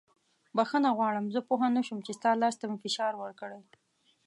بښنه غواړم زه پوه نه شوم چې ستا لاس ته مې فشار ورکړی.